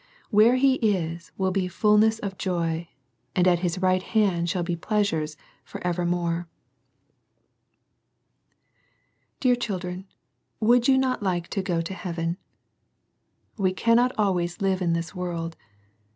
Where He is will be fulness of joy, and at His right hand shall be pleasures for evermore. 76 SERMONS FOR CHILDREN. Dear children, would you not like to go to heaven ? We cannot live always in this world.